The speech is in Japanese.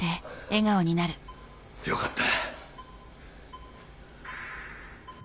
よかった。